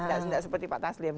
enggak seperti pak taslim